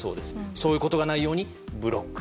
そういうことがないようにブロック。